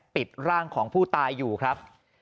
ปิดร่างของผู้ตายอยู่ครับ